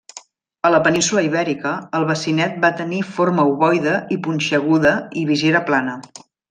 A la península Ibèrica, el bacinet va tenir forma ovoide i punxeguda i visera plana.